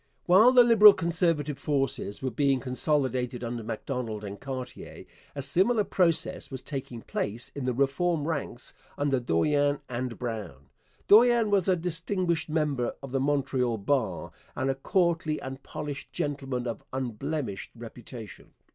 While the Liberal Conservative forces were being consolidated under Macdonald and Cartier, a similar process was taking place in the Reform ranks under Dorion and Brown. Dorion was a distinguished member of the Montreal bar and a courtly and polished gentleman of unblemished reputation.